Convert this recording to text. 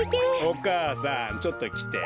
お母さんちょっときて。